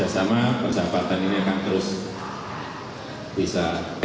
dan kita berharap bersama persahabatan ini akan terus bisa